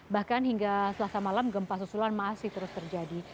bahkan hingga selasa malam gempa susulan masih terus terjadi